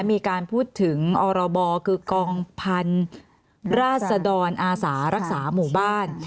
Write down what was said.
มีการพูดถึงอรบคือกองพันธุ์ราศดรอาสารักษาหมู่บ้าน